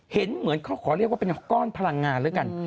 เห็นเหมือนขอเรียกว่าเป็นก้อนพลังงาน